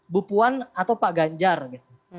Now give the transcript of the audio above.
bu puan atau pak ganjar gitu